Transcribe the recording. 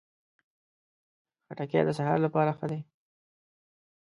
خټکی د سهار لپاره هم ښه ده.